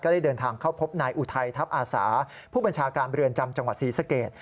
ได้เดินทางเข้าพบนายอุทัยทัพอาสาผู้บัญชาการเรือนจำจังหวัดศรีสเกต